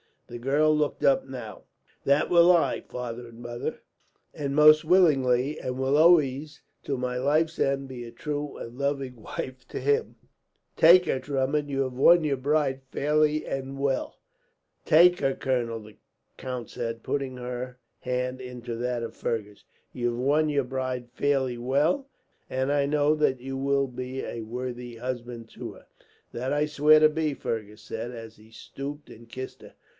The girl looked up now. "That will I, father and mother, and most willingly; and will always, to my life's end, be a true and loving wife to him." [Illustration: "Take her, Drummond, you have won your bride fairly and well"] "Take her, Colonel," the count said, putting her hand into that of Fergus. "You have won your bride fairly and well, and I know that you will be a worthy husband to her." "That I swear to be," Fergus said, as he stooped and kissed her.